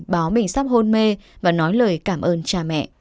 báo mình sắp hôn mê và nói lời cảm ơn cha mẹ